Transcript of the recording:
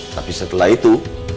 tapi setelah itu